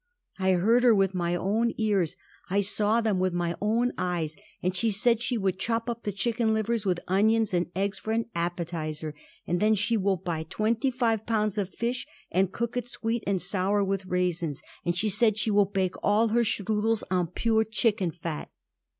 "I heard her with my own ears. I saw them with my own eyes. And she said she will chop up the chicken livers with onions and eggs for an appetizer, and then she will buy twenty five pounds of fish, and cook it sweet and sour with raisins, and she said she will bake all her strudels on pure chicken fat."